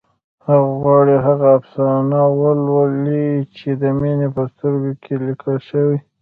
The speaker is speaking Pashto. هغه غواړي هغه افسانه ولولي چې د مينې په سترګو کې لیکل شوې